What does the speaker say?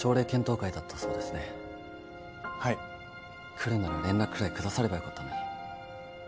来るなら連絡くらいくださればよかったのに。